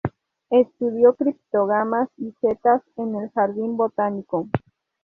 Estudió criptógamas y setas en el jardín botánico.